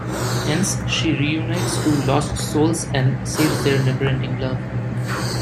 Hence, she re-unites two lost souls and saves their never ending love.